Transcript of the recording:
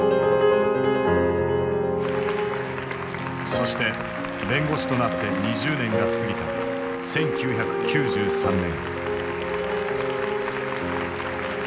そして弁護士となって２０年が過ぎた１９９３年。